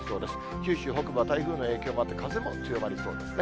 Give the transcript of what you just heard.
九州北部は台風の影響もあって、風も強まりそうですね。